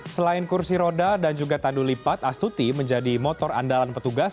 selain kursi roda dan juga tandu lipat astuti menjadi motor andalan petugas